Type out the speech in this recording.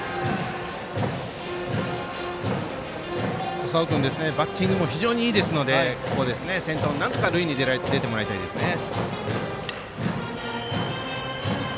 笹尾君はバッティングもいいのでここは先頭でなんとか塁に出てもらいたいですね。